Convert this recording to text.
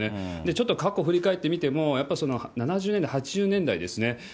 ちょっと過去振り返ってみても、やっぱり７０年代、８０年代ですね。